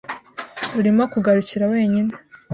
Urimo kugarukira wenyine.